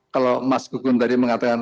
kalau mas gugun tadi mengatakan